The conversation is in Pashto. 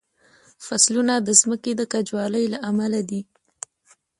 فصلونه د ځمکې د کجوالي له امله دي.